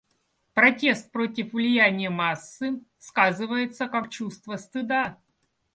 Протест против влияния массы сказывается как чувство стыда.